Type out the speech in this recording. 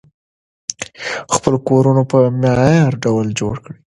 خپل کورونه په معیاري ډول جوړ کړئ.